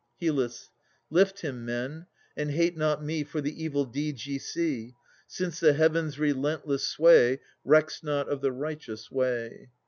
HYL. Lift him, men, and hate not me For the evil deeds ye see, Since the Heavens' relentless sway Recks not of the righteous way.